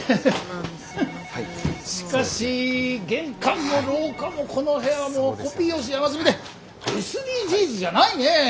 しかし玄関も廊下もこの部屋はもうコピー用紙山積みでＳＤＧｓじゃないねえ。